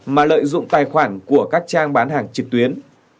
mà lợi dụng tài khoản của các trang bán hàng trực tuyến